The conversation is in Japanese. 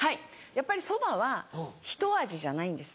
やっぱりそばはひと味じゃないんです。